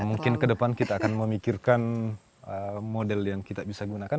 ya mungkin kedepan kita akan memikirkan model yang kita bisa gunakan